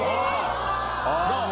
どう？